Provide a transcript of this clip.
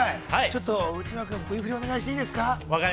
◆ちょっと内村君、Ｖ振りをお願いしていいですか。